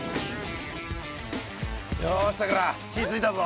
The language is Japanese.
よしさくら火ついたぞ。